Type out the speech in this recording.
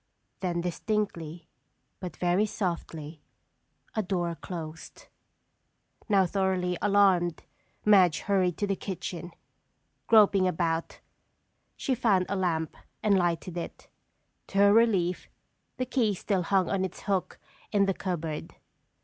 Then distinctly, but very softly, a door closed. Now thoroughly alarmed, Madge hurried to the kitchen. Groping about, she found a lamp and lighted it. To her relief, the key still hung on its hook in the cupboard.